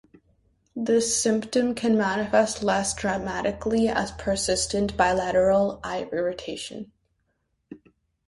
This symptom can manifest less dramatically as persistent bilateral eye irritation.